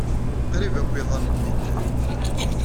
Qrib akk iḍan-nni ddren.